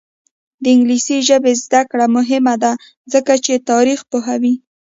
د انګلیسي ژبې زده کړه مهمه ده ځکه چې تاریخ پوهوي.